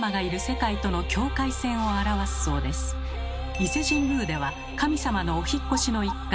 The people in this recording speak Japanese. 伊勢神宮では神様のお引っ越しの一環